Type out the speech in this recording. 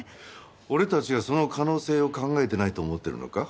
俺たちがその可能性を考えてないと思ってるのか？